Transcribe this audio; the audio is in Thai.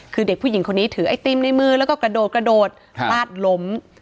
คือเด็กผู้หญิงคนนี้ถือไอติมในมือแล้วก็กระโดดกระโดดลาดล้ม